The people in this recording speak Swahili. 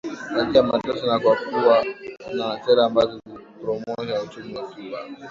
kwa njia ya mateso na kwa kuwa na sera ambazo ziliporomosha uchumi wa Cuba